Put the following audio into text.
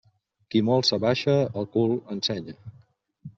Qui molt s'abaixa, el cul ensenya.